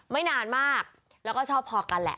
ไม่นานมากแล้วก็ชอบพอกันแหละ